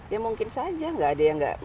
ya mungkin saja gak ada yang gak